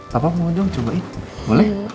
papa mau dong cobain boleh